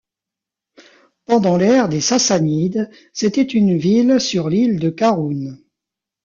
Pendant l'ère des Sassanides, c'était une ville sur l'île de Karun.